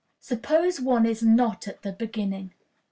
Suppose one is not at the Beginning.